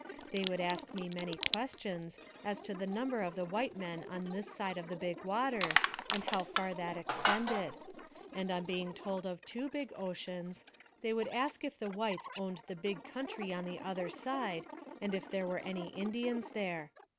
They would ask me many questions, as to the number of the white men on this side of the big water, and how far that extended ; and on being told of two big oceans, they would ask if the whites owned the big country on the other side, and if there were any Indians there.